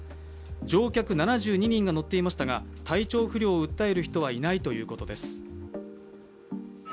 乗客７２人が乗っていましたが、体調不良を訴える人はいないということです。